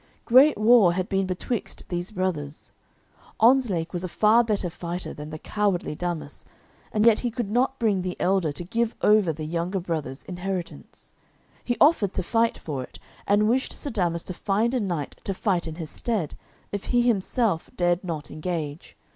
Great war had been betwixt these brothers. Ontzlake was a far better fighter than the cowardly Damas, and yet he could not bring the elder to give over the younger brother's inheritance. He offered to fight for it, and wished Sir Damas to find a knight to fight in his stead, if he himself dared not engage.